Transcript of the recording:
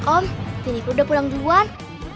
om jadi udah pulang duluan